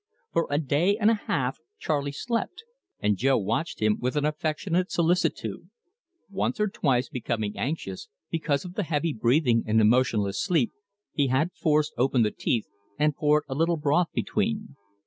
For a day and a half Charley slept, and Jo watched him with an affectionate solicitude. Once or twice, becoming anxious, because of the heavy breathing and the motionless sleep, he had forced open the teeth, and poured a little broth between.